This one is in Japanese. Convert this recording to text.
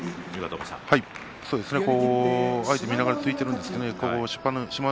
相手を見ながら突いているんですけれども志摩ノ